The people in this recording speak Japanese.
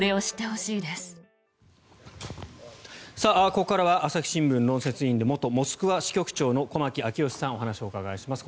ここからは朝日新聞論説委員で元モスクワ支局長の駒木明義さんにお話をお伺いします。